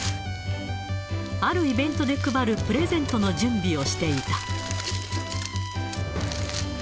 あるイベントで配るプレゼントの準備をしていた。